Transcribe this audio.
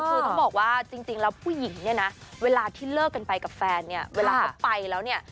คือต้องบอกว่าจริงแล้วผู้หญิงเนี่ยนะเวลาที่เลิกกันไปกับแฟนเนี่ยเวลาเขาไปแล้วเนี่ย